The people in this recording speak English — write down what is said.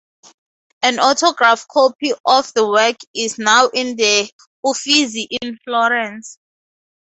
An autograph copy of the work is now in the Uffizi in Florence.